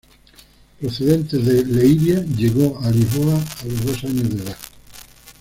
Procedente de Leiria, llegó a Lisboa a los dos años de edad.